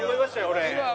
俺。